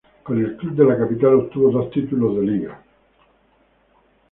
Con el club de la capital obtuvo dos títulos de liga.